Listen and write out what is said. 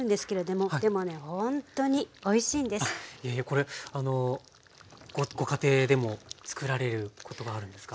これご家庭でもつくられることがあるんですか？